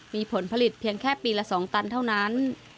มีผลผลิตเพียงแค่ปีละ๒ตันเท่านั้น